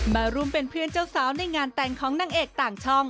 มาร่วมเป็นเพื่อนเจ้าสาวในงานแต่งของนางเอกต่างช่อง